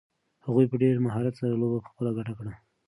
هغوی په ډېر مهارت سره لوبه په خپله ګټه کړه.